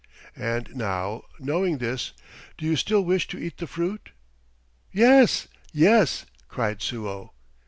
And now, knowing this, do you still wish to eat the fruit?" "Yes, yes!" cried Suo.